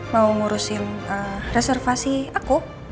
mau ngurusin reservasi aku